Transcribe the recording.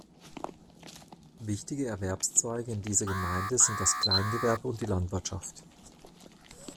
Wichtige Erwerbszweige in dieser Gemeinde sind das Kleingewerbe und die Landwirtschaft.